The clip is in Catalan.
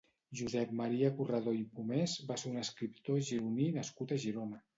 Josep Maria Corredor i Pomés va ser un escriptor gironí nascut a Girona.